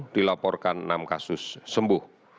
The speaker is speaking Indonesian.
dilaporkan enam kasus sembuh